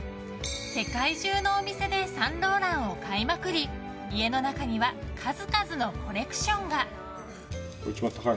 世界中のお店でサンローランを買いまくり家の中には数々のコレクションが。